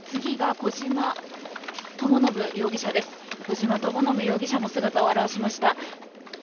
小島智信容疑者も姿を現しました。